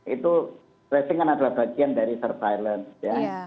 itu tracing kan adalah bagian dari surveillance ya